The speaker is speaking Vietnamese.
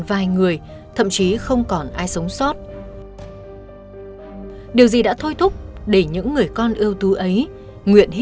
vài người thậm chí không còn ai sống sót điều gì đã thôi thúc để những người con ưu tú ấy nguyện hy